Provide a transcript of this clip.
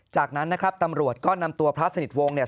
จากนั้นนะครับตำรวจก็นำตัวพระสนิทวงศ์เนี่ย